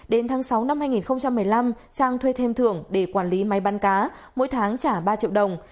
đến tháng sáu năm hai nghìn một mươi năm trang thuê thêm thưởng để quản lý máy bán cá mỗi tháng trả ba triệu đồng